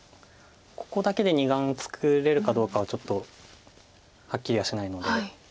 ここだけで２眼作れるかどうかはちょっとはっきりはしないので。